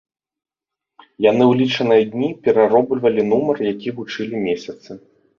Яны ў лічаныя дні перароблівалі нумар, які вучылі месяцы.